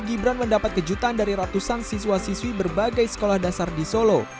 gibran mendapat kejutan dari ratusan siswa siswi berbagai sekolah dasar di solo